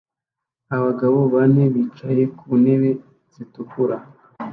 Abagabo bane bicaye ku ntebe zitukura